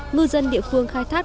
ngư dân địa phương khai thác